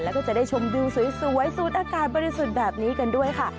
แล้วก็จะได้ชมวิวสวยสูดอากาศบริสุทธิ์แบบนี้กันด้วยค่ะ